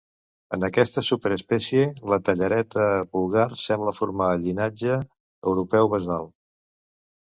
En aquesta superespècie, la tallareta vulgar sembla formar el llinatge europeu basal.